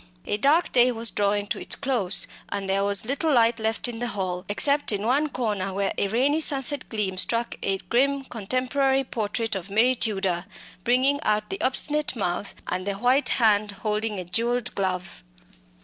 A dark day was drawing to its close, and there was little light left in the hall, except in one corner where a rainy sunset gleam struck a grim contemporary portrait of Mary Tudor, bringing out the obstinate mouth and the white hand holding a jewelled glove.